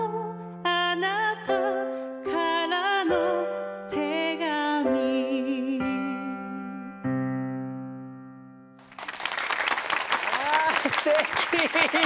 あなたからの手紙わあすてき！